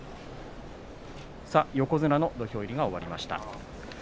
横綱の土俵入りが終わりました。